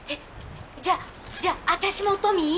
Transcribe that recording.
じゃあじゃあ私もトミー？」。